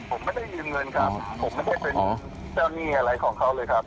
ผมไม่ได้ยืมเงินครับผมไม่ได้เป็นเจ้าหนี้อะไรของเขาเลยครับ